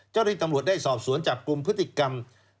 เจ้าหน้าที่ตำรวจได้สอบสวนจับกลุ่มพฤติกรรม